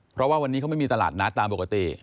เพราะว่าวันนี้เขาไม่มีตลาดนัดตามปกติ